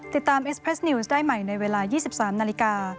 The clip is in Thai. เอสเพสนิวส์ได้ใหม่ในเวลา๒๓นาฬิกา